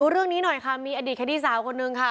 เรื่องนี้หน่อยค่ะมีอดีตแคดี้สาวคนนึงค่ะ